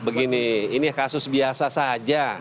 begini ini kasus biasa saja